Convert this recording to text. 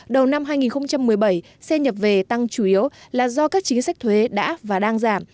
đầu năm hai nghìn một mươi bảy xe nhập về tăng chủ yếu là do các chính sách thuế đã và đang giảm